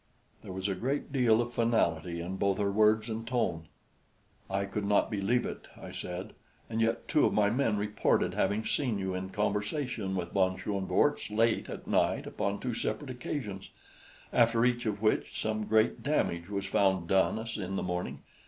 There was a great deal of finality in both her words and tone. "I could not believe it," I said; "and yet two of my men reported having seen you in conversation with von Schoenvorts late at night upon two separate occasions after each of which some great damage was found done us in the morning.